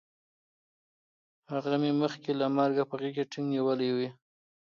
هغه مې مخکې له مرګه په غېږ کې ټینګ نیولی وی